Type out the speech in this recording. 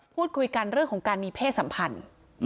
พูดคุยกันเรื่องของการมีเพศสัมพันธ์